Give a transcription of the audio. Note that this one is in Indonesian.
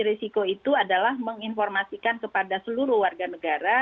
risiko itu adalah menginformasikan kepada seluruh warga negara